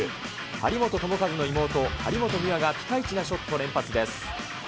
張本智和の妹、張本美和がピカイチなショットを連発です。